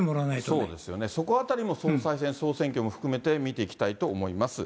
そうですよね、そこあたりも総選挙も含めて見ていきたいと思います。